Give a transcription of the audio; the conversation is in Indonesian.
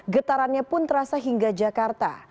getarannya pun terasa hingga jakarta